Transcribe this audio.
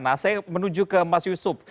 nah saya menuju ke mas yusuf